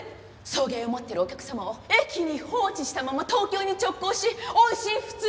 送迎を待っているお客様を駅に放置したまま東京に直行し音信不通！